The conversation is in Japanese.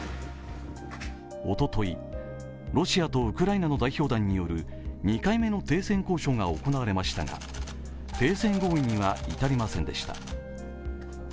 おととい、ロシアとウクライナの代表団による２回目の停戦交渉が行われましたが停戦合意にはいたりませんでした。